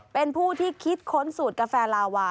เป็นผู้ที่คิดค้นสูตรกาแฟลาวา